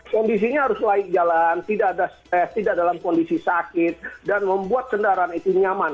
kondisinya harus laik jalan tidak ada stres tidak dalam kondisi sakit dan membuat kendaraan itu nyaman